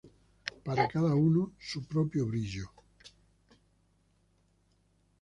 Para cada uno su propio brillo.